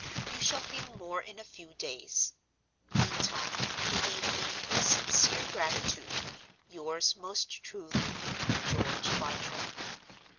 You shall hear more in a few days. Meantime, believe me, with sincere gratitude, "Yours most truly, "GEORGE BARTRAM."